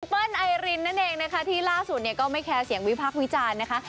เบิ้ลอายลินนั่นเองนะคะที่ล่าสู่เนี่ยก็ไม่แคร์เสียงวิภาควิจารณ์นะคะ